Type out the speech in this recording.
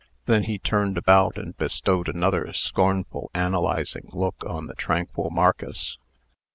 Then he turned about, and bestowed another scornful, analyzing look on the tranquil Marcus.